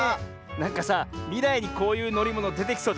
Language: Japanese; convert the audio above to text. なんかさみらいにこういうのりものでてきそうじゃない？